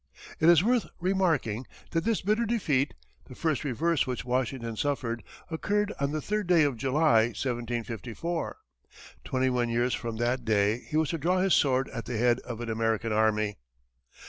It is worth remarking that this bitter defeat the first reverse which Washington suffered occurred on the third day of July, 1754. Twenty one years from that day, he was to draw his sword at the head of an American army.